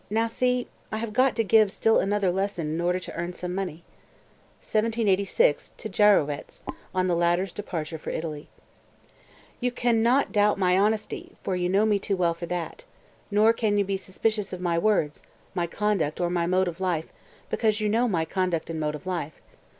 Now see, I have got to give still another lesson in order to earn some money." (1786, to Gyrowetz, on the latter's departure for Italy.) 222. "You can not doubt my honesty, for you know me too well for that. Nor can you be suspicious of my words, my conduct or my mode of life, because you know my conduct and mode of life.